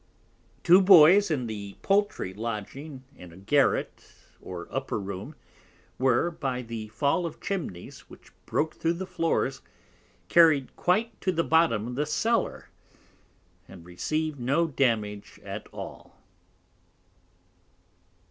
Two Boys in the Poultry lodging in a Garret or Upper room, were, by the Fall of Chimneys, which broke thro' the Floors, carried quite to the bottom of the Cellar, and receiv'd no Damage at all.